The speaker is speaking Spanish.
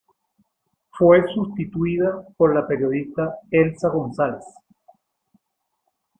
Fue sustituida por la periodista Elsa González.